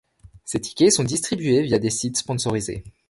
Ces tickets sont distribués via des sites sponsorisés.